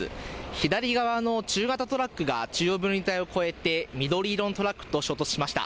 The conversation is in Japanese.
左側の中型トラックが中央分離帯を越えて緑色のトラックと衝突しました。